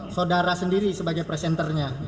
sudah sendiri sebagai presenter nya